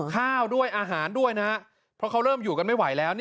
ข้าวด้วยอาหารด้วยนะเพราะเขาเริ่มอยู่กันไม่ไหวแล้ว